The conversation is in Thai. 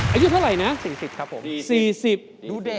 อายุเท่าไหร่นะ๔๐ครับผม